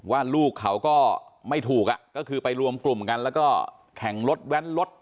ว่าลูกเขาก็ไม่ถูกก็คือไปรวมกลุ่มกันแล้วก็แข่งรถแว้นรถ